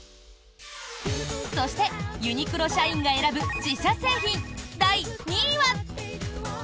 そしてユニクロ社員が選ぶ自社製品第２位は。